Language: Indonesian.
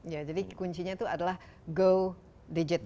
ya jadi kuncinya tuh adalah go digital